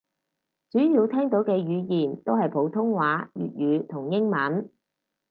主要聽到嘅語言都係普通話粵語同英文